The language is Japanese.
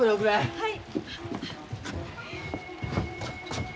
はい。